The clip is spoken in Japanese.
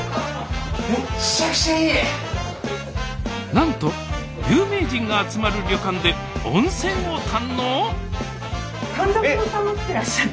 なんと有名人が集まる旅館で温泉を堪能⁉えっ！